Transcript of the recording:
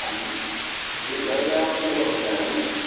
We've laid out the hill towns.